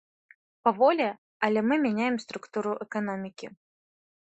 Паволі, але мы мяняем структуру эканомікі.